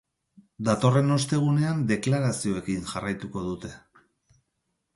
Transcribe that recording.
Datorren ostegunean deklarazioekin jarraituko dute.